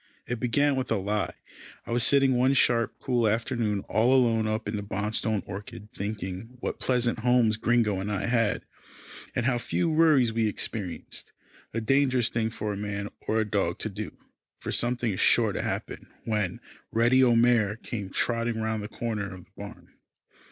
It began with a lie. I was sitting one sharp, cool afternoon all alone up in the Bonstone orchard, thinking what pleasant homes Gringo and I had, and how few worries we experienced a dangerous thing for dog or man to do, for something is sure to happen when Reddy O'Mare came trotting round the corner of the barn.